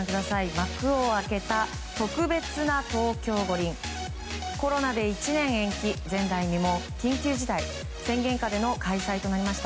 幕を開けた特別な東京五輪コロナで１年延期前代未聞、緊急事態宣言下での開催となりました。